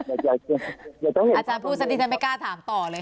อาจารย์พูดซะดีจะไม่กล้าถามต่อเลย